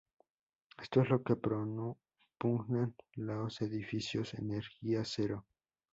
Esto es lo que propugnan los edificios energía cero.